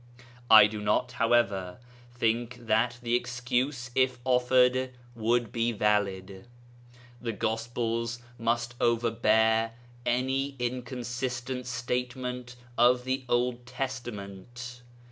I do not, however, think that the excuse, if offered, would be valid. The Gospels must overbear any inconsistent statement of the Old Testament.